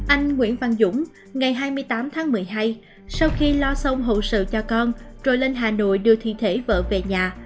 anh nguyễn văn dũng ngày hai mươi tám tháng một mươi hai sau khi lo xong hậu sự cho con rồi lên hà nội đưa thi thể vợ về nhà